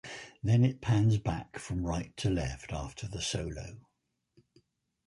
Then it pans back from right to left after the solo.